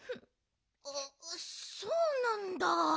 そうなんだ